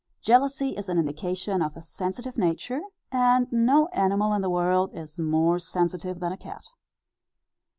Jealousy is an indication of a sensitive nature, and no animal in the world is more sensitive than a cat.